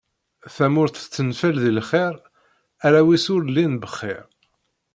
Tamurt tettenfal deg lxir, arraw-is ur llin bxir.